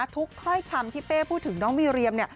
ทุกค่อยคำที่เป้พูดถึงน้องมีเรียม